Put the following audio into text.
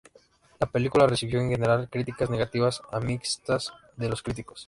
La película recibió en general críticas negativas a mixtas de los críticos.